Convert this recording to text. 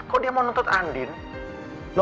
kok dia mau nuntut andin